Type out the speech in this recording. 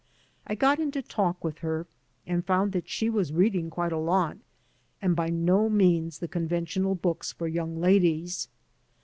I got into talk with her, and found that she was reading quite a lot, and by no means the conventional books for young ladies.